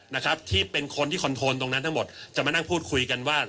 นะครับที่เป็นคนที่คอนโทนตรงนั้นทั้งหมดจะมานั่งพูดคุยกันว่า